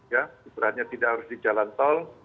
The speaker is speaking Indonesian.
ya kebenarannya tidak harus di jalan tol